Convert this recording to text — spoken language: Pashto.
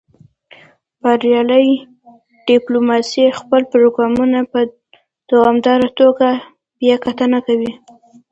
بریالۍ ډیپلوماسي خپل پروګرامونه په دوامداره توګه بیاکتنه کوي